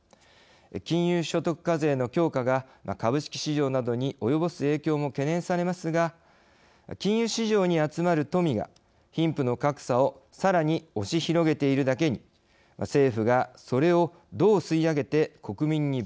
金融所得課税の強化が株式市場などに及ぼす影響も懸念されますが金融市場に集まる富が貧富の格差をさらに押し広げているだけに政府がそれをどう吸い上げて国民に分配するのか。